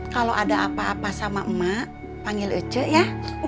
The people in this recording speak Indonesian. kalau ada apa apa sama emak panggil uce ya